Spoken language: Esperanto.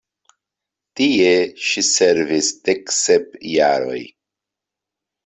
Tie ŝi servis dek sep jaroj.